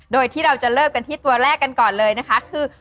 โดยที่เราจะเริ่มกันที่ตัวแรกกันก่อนเลยนะคะคือ